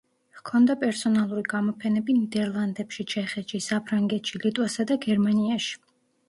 ჰქონდა პერსონალური გამოფენები ნიდერლანდებში, ჩეხეთში, საფრანგეთში, ლიტვასა და გერმანიაში.